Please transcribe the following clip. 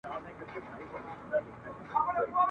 د خرقې د پېرودلو عقل خام دی !.